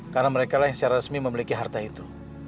karena mereka yang secara resmi memiliki harta itu